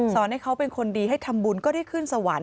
ให้เขาเป็นคนดีให้ทำบุญก็ได้ขึ้นสวรรค